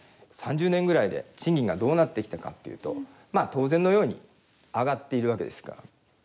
３０年ぐらいで賃金がどうなってきたかっていうと当然のように上がっているわけですから。